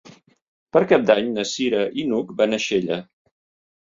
Per Cap d'Any na Cira i n'Hug van a Xella.